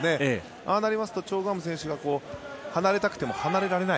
ああなりますとチョ・グハム選手が離れたくても離れられない。